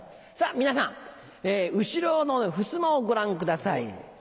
皆さん後ろのふすまをご覧ください。